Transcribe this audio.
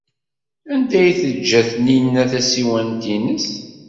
Anda ay teǧǧa Taninna tasiwant-nnes?